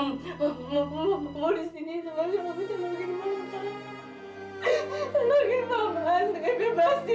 mama tidak mau masuk penjara